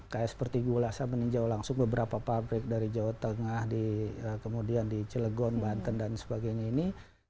kayak seperti gu lhasa peninjau langsung beberapa pabrik dari jawa tengah kemudian di celegon banten dan sebagainya ini